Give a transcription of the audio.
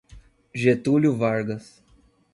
Getúlio Vargas